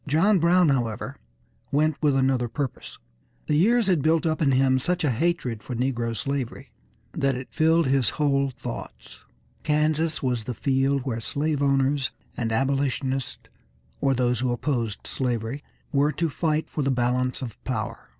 John Brown, however, went with another purpose. The years had built up in him such a hatred for negro slavery that it filled his whole thoughts. Kansas was the field where slave owners and abolitionists, or those who opposed slavery, were to fight for the balance of power.